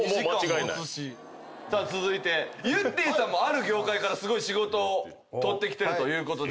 続いてゆってぃさんもある業界からすごい仕事取ってきてるということで。